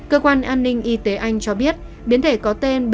cơ quan an ninh y tế anh cho biết biến thể có tên b một một năm trăm hai mươi chín